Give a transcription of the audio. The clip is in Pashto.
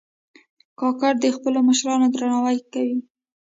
کاکړ د خپلو مشرانو درناوی کوي.